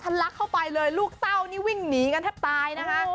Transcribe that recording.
น้ำทะลักเข้าไปเลยลูกเต้านี่วิ่งหนีกันถ้าตายนะฮะ